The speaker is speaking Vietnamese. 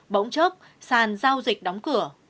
bỗng chớp sàn giao dịch đóng cửa